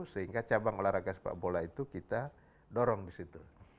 sehingga cabang olahraga sepak bola itu kita dorong disitu